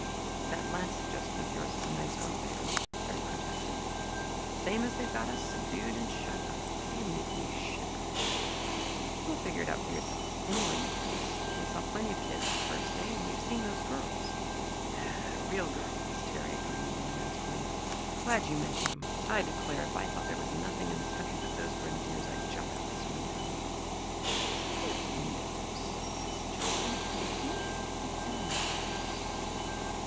"That last suggestion of yours is a nice one, Van," Terry protested. "Same as they've got us subdued and shut up! you make me shiver." "Well, figure it out for yourself, anyway you please. We saw plenty of kids, the first day, and we've seen those girls " "Real girls!" Terry agreed, in immense relief. "Glad you mentioned 'em. I declare, if I thought there was nothing in the country but those grenadiers I'd jump out the window." "Speaking of windows," I suggested, "let's examine ours."